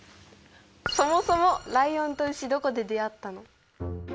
「そもそもライオンとウシどこで出会ったの？」。